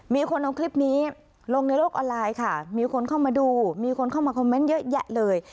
มีคนเอาคลิปนี้ลงในโลกออนไลน์ค่ะมีคนเข้ามาดูมีคนเข้ามาคอมเมนต์เยอะแยะเลย